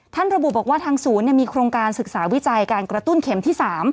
ระบุบอกว่าทางศูนย์มีโครงการศึกษาวิจัยการกระตุ้นเข็มที่๓